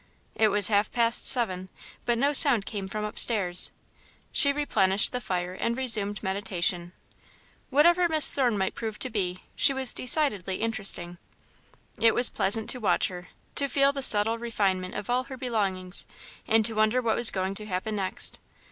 It was half past seven, but no sound came from upstairs. She replenished the fire and resumed meditation. Whatever Miss Thorne might prove to be, she was decidedly interesting. It wis pleasant to watch her, to feel the subtle refinement of all her belongings, and to wonder what was going to happen next.